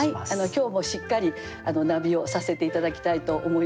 今日もしっかりナビをさせて頂きたいと思います。